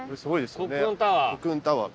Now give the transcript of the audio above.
コクーンタワー。